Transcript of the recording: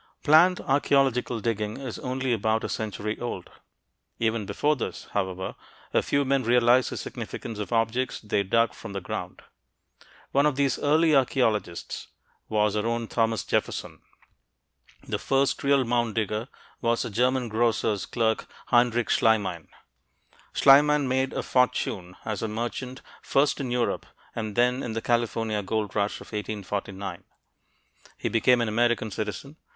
Planned archeological digging is only about a century old. Even before this, however, a few men realized the significance of objects they dug from the ground; one of these early archeologists was our own Thomas Jefferson. The first real mound digger was a German grocer's clerk, Heinrich Schliemann. Schliemann made a fortune as a merchant, first in Europe and then in the California gold rush of 1849. He became an American citizen.